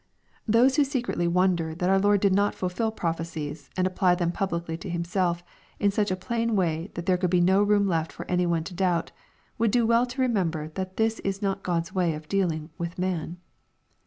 Those who secretly wonder that our Lord did not fulfil prophe cies, and apply them publicly to Himself, in such a plain way that there could be no room left for any one to doubt, would do well to remember that this is not God's way of dealing with man.